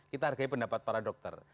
kita hargai pendapat para dokter